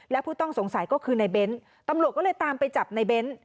และผู้ต้องสงสัยก็คือในเบ้นตำรวจก็เลยตามไปจับในเบ้น